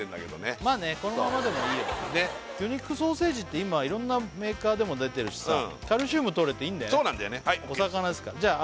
このままでもいいよねねっ魚肉ソーセージって今いろんなメーカーでも出てるしさカルシウム取れていいんだよねお魚ですからじゃあ